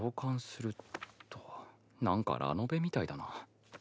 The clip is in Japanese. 何かラノベみたいだな。